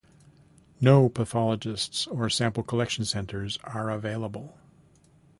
No pathologists or sample collection centres are available.